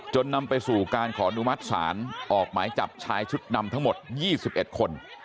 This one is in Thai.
นำไปสู่การขอนุมัติศาลออกหมายจับชายชุดดำทั้งหมด๒๑คน